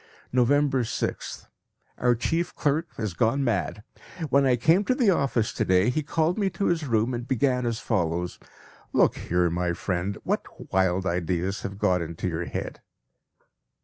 November 6th. Our chief clerk has gone mad. When I came to the office to day he called me to his room and began as follows: "Look here, my friend, what wild ideas have got into your head?"